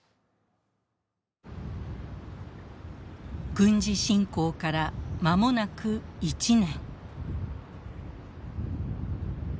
軍事侵攻から間もなく１年。